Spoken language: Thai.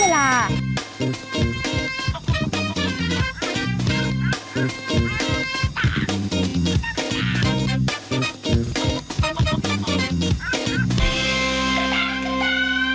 ฮ่าเลยล่ะ